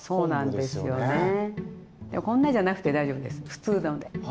こんなじゃなくて大丈夫です普通ので。